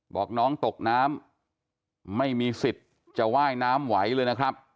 บอกน้องตกน้ำไม่มีสิทธิ์จะว่ายน้ำไหวเลยนะครับ